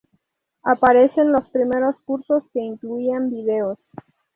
Aparecen los primeros cursos que incluían videos.